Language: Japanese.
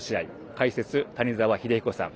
解説は谷澤英彦さん